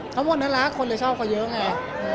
เขาหมดนั้นรักคนเลยชอบกว่ายั้งไง